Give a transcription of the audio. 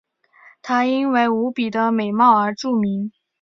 她因为无比的美貌而著名。